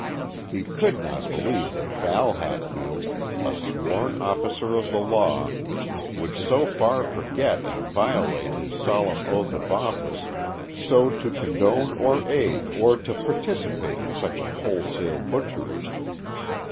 He could not believe that Val Hatfield, a sworn officer of the law, would so far forget and violate his solemn oath of office so to condone or aid or to participate in such a wholesale butchery.